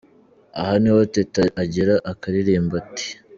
Aha niho Teta agera akaririmba ati:.